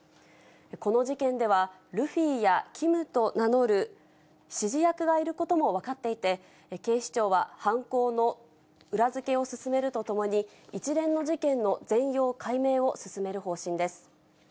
この事件では、ルフィやキムと名乗る指示役がいることも分かっていて、警視庁は犯行の裏付けを進めるとともに、一連の事件の全容解明を進める方針です。